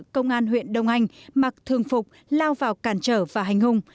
công an huyện đông anh mặc thường phục lao vào cản trở và hành hung